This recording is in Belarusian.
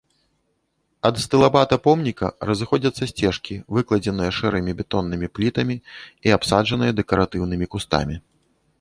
Ад стылабата помніка разыходзяцца сцежкі, выкладзеныя шэрымі бетоннымі плітамі і абсаджаныя дэкаратыўнымі кустамі.